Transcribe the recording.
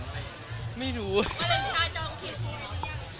วาเลนชาติต้องเขียนภูมิอย่างยังไง